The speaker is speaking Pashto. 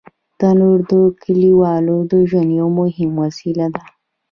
تنور د کلیوالو د ژوند یو مهم وسیله ده